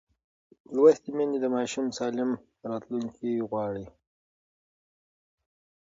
لوستې میندې د ماشوم سالم راتلونکی غواړي.